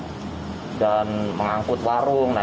ini adalah barang dagangan yang terdampak ppkm